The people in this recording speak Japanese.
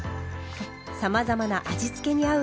さまざまな味付けに合う油揚げ